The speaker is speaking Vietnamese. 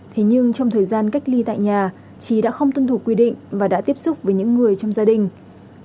thế nhưng trong thời gian cách ly tại nhà trí đã không tuân thủ quy định và đã tiếp xúc với những người trong gia đình